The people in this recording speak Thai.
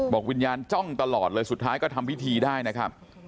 วิญญาณจ้องตลอดเลยสุดท้ายก็ทำพิธีได้นะครับ